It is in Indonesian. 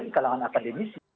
di kalangan akademisi